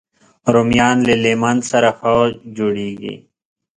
رومیان له لیمن سره ښه جوړېږي